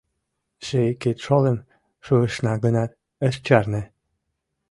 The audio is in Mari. Ший кидшолым шуышна гынат, ыш чарне.